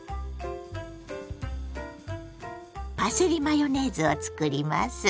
パセリマヨネーズを作ります。